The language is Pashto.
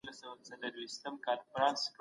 که وجدان مړ شي، غږ ورکېږي.